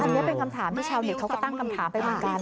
อันนี้เป็นคำถามที่ชาวเน็ตเขาก็ตั้งคำถามไปเหมือนกัน